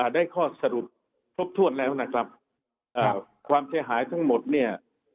ได้ข้อสรุปครบถ้วนแล้วนะครับความเสียหายทั้งหมดเนี่ย